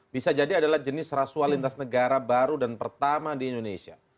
bisa jadi adalah jenis rasual lintas negara baru dan pertama di indonesia